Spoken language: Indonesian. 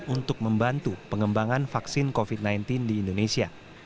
untuk membantu pengembangan vaksin covid sembilan belas di indonesia